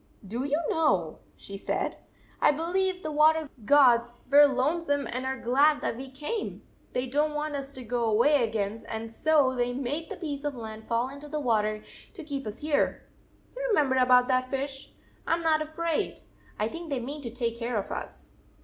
"Do you know," she said, " I believe the water gods were lonesome and are glad that we came ! They don t want us to go away again, and so they made the piece of land fall into the water to keep us here ! You remember about that fish ! I m not afraid. I think they mean to take care of us."